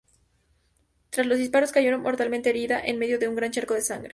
Tras los disparos cayó mortalmente herida en medio de un gran charco de sangre.